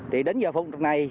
thì đến giờ phút này